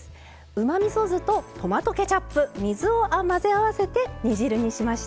うまみそ酢とトマトケチャップ水を混ぜ合わせて煮汁にしました。